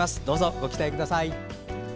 どうぞ、ご期待ください。